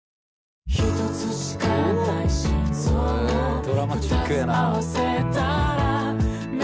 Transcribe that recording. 「ドラマチックやな」